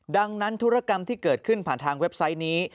ดังนั้นธุรกรรมที่เกิดขึ้นผ่านทางเว็บไซต์นี้